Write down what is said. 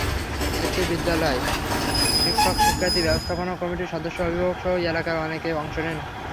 এতে বিদ্যালয়ের শিক্ষক-শিক্ষার্থী, ব্যবস্থাপনা কমিটির সদস্য, অভিভাবকসহ এলাকার অনেকে অংশ নেন।